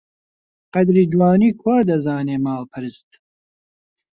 قەدری جوانی کوا دەزانێ ماڵپەرست!